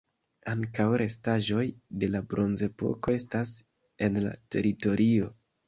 Ankaŭ restaĵoj de la Bronzepoko estas en la teritorio.